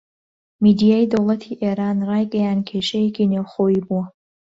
میدیای دەوڵەتی ئێران ڕایگەیاند کێشەیەکی نێوخۆیی بووە